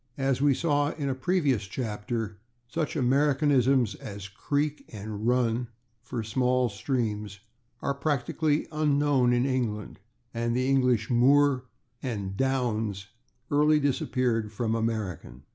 As we saw in a previous chapter, such Americanisms as /creek/ and /run/, for small streams, are practically unknown in England, and the English /moor/ and /downs/ early disappeared from American.